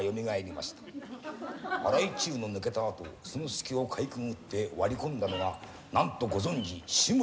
荒井注の抜けた後その隙をかいくぐって割り込んだのは何とご存じ志村